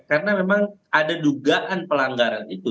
karena memang ada dugaan pelanggaran itu